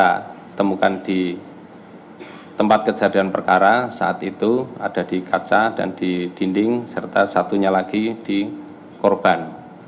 kita temukan di tempat kejadian perkara saat itu ada di kaca dan di dinding serta satunya lagi di korban